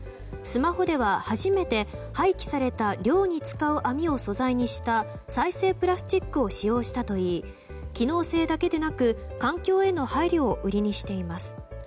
スマホでは初めて廃棄された漁に使う網を素材にした再生プラスチックを使用したといい機能性だけでなく環境への配慮を売りにしています。